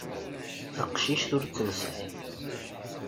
Taqcict ur tt-nesεi.